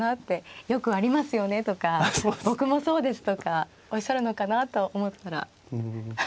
「よくありますよね」とか「僕もそうです」とかおっしゃるのかなと思ったら。